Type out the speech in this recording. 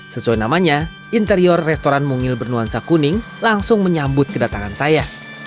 sesuai namanya interior restoran mungil bernuansa kuning langsung menyambut kedatangan saya